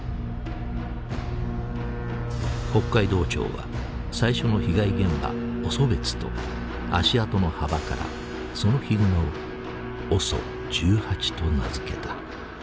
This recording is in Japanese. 北海道庁は最初の被害現場オソベツと足跡の幅からそのヒグマをＯＳＯ１８と名付けた。